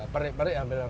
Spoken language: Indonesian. perik perik hampir orisinil